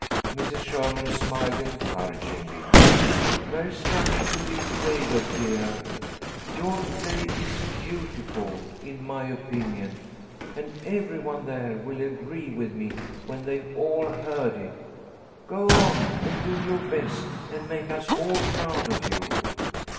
Mrs. Sherman smiled, encouragingly. "There's nothing to be afraid of, dear. Your play is beautiful, in my opinion, and every one there will agree with me when they've all heard it. Go on and do your best and make us all proud of you."